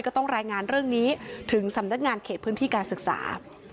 ก็ต้องรายงานเรื่องนี้ถึงสำนักงานเขตพื้นที่การศึกษา